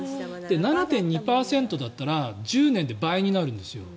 ７．２％だったら１０年で倍になるんですよ。